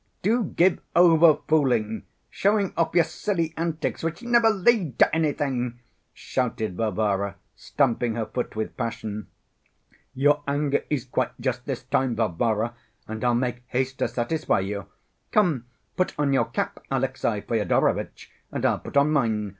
"Do give over fooling, showing off your silly antics which never lead to anything!" shouted Varvara, stamping her foot with passion. "Your anger is quite just this time, Varvara, and I'll make haste to satisfy you. Come, put on your cap, Alexey Fyodorovitch, and I'll put on mine.